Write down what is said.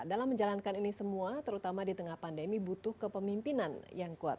dalam menjalankan ini semua terutama di tengah pandemi butuh kepemimpinan yang kuat